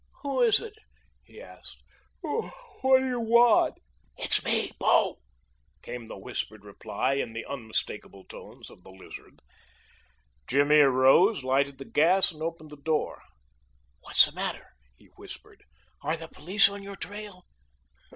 "Who is it?" he asked. "What do you want?" "It's me bo," came the whispered reply in the unmistakable tones of the Lizard. Jimmy arose, lighted the gas, and opened the door. "What's the matter?" he whispered. "Are the police on your trail?"